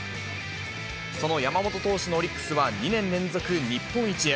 その山本投手のオリックスは２年連続、日本一へ。